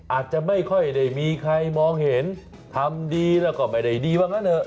อาจจะไม่ค่อยได้มีใครมองเห็นทำดีแล้วก็ไม่ได้ดีว่างั้นเถอ